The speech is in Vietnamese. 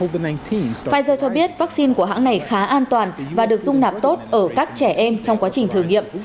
pfizer cho biết vaccine của hãng này khá an toàn và được dung nạp tốt ở các trẻ em trong quá trình thử nghiệm